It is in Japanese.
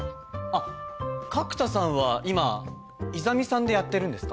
あっ角田さんは今イザミさんでやってるんですか？